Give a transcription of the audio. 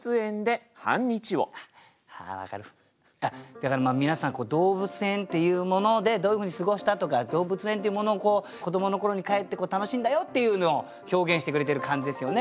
だから皆さん動物園っていうものでどういうふうに過ごしたとか動物園っていうものを子どもの頃に返って楽しんだよっていうのを表現してくれてる感じですよね。